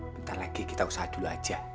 bentar lagi kita usaha dulu aja